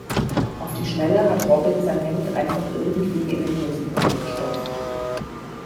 Auf die Schnelle hat Robin sein Hemd einfach irgendwie in den Hosenbund gestopft.